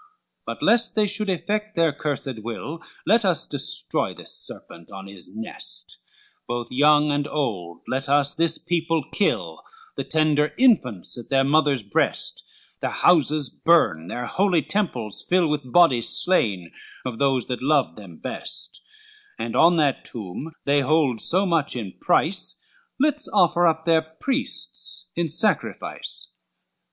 LXXXVII "But lest they should effect their cursed will, Let us destroy this serpent on his nest; Both young and old, let us this people kill, The tender infants at their mothers' breast, Their houses burn, their holy temples fill With bodies slain of those that loved them best, And on that tomb they hold so much in price, Let's offer up their priests in sacrifice."